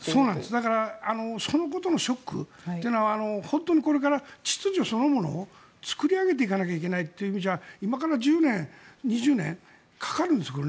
だからそのことのショックというのは本当にこれから秩序そのものを作り上げていかなくちゃならないって意味では今から１０年、２０年かかるんです。